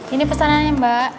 ini pesanannya mbak